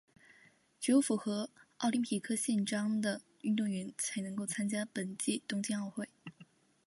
只有符合奥林匹克宪章的运动员才能够参加本届东京奥运。